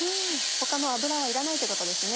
他の油はいらないってことですね。